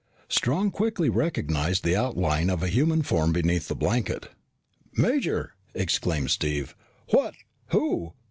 Strong quickly recognized the outline of a human form beneath the blanket. "Major," exclaimed Steve, "what who